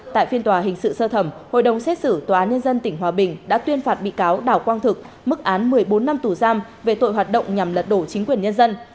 tại phiên tòa hình sự sơ thẩm hội đồng xét xử tòa án nhân dân tỉnh hòa bình đã tuyên phạt bị cáo đào quang thực mức án một mươi bốn năm tù giam về tội hoạt động nhằm lật đổ chính quyền nhân dân